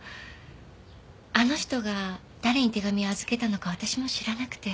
あの人が誰に手紙を預けたのか私も知らなくて。